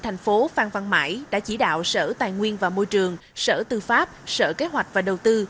chủ tịch ủy ban nhân dân tp hcm đã chỉ đạo sở tài nguyên và môi trường sở tư pháp sở kế hoạch và đầu tư